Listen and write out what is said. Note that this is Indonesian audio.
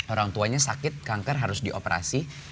orang tuanya sakit kanker harus dioperasi